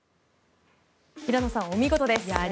平野さんをお見事です。